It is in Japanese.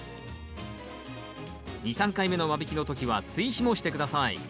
２３回目の間引きの時は追肥もして下さい。